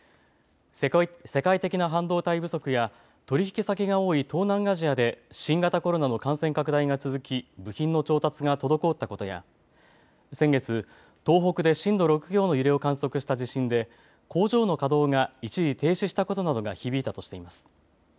世界的な半導体不足や取引先が多い東南アジアで新型コロナの感染拡大が続き部品の調達が滞ったことや先月、東北で震度６強の揺れを観測した地震で工場の稼働が一時停止したことなどが響いたとしています。